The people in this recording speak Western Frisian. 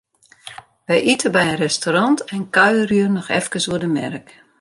Wy ite by in restaurant en kuierje noch efkes oer de merk.